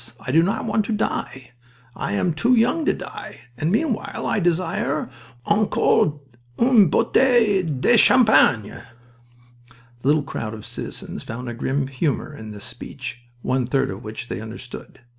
I do not want to die. I am too young to die, and meanwhile I desire encore une bouteille de champagne!" The little crowd of citizens found a grim humor in this speech, one third of which they understood.